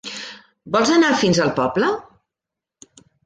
Vols anar fins al poble?